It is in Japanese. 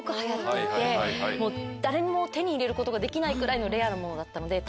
誰も手に入れることができないくらいのレアなものだったので。